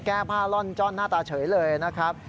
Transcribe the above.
แก้ผ้าล่อนจ้อนหน้าตาเฉยเลยนะครับ